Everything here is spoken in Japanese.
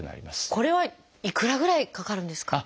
これはいくらぐらいかかるんですか？